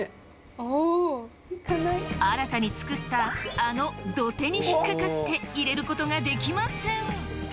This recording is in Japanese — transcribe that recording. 新たに作ったあの土手に引っかかって入れることができません！